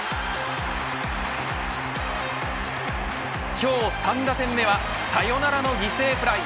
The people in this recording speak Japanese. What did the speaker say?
今日３打点目はサヨナラの犠牲フライ。